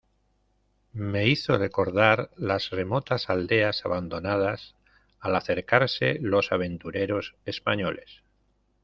me hizo recordar las remotas aldeas abandonadas al acercarse los aventureros españoles.